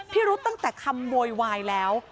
พิรุษตั้งแต่คำโวยวายแล้ว